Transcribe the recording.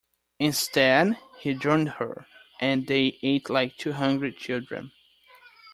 Instead, he joined her; and they ate like two hungry children.